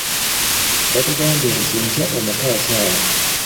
Batugambye nti enkya omukko akyala.